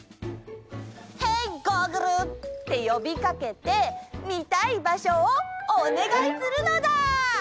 「ヘイ！ゴーグル」ってよびかけてみたい場所をおねがいするのだ！